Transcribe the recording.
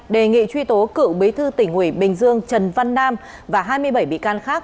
đề nghị truy tố cựu bí thư tỉnh ủy bình dương trần văn nam và hai mươi bảy bị can khác